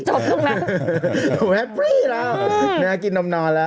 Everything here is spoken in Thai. จบติ๊มฮะผมแฮปปรี้แล้วเนื้อกินนมนอนแล้ว